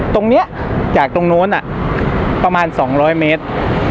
ตรงเนี้ยจากตรงโน้นอ่ะประมาณสองร้อยเมตร